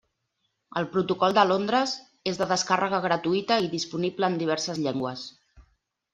El protocol de Londres és de descàrrega gratuïta i disponible en diverses llengües.